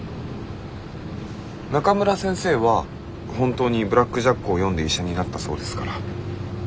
中村先生は本当に「ブラック・ジャック」を読んで医者になったそうですから。